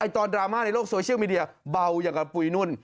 ดราม่าในโลกโซเชียลมีเดียเบาอย่างกับปุ๋ยนุ่น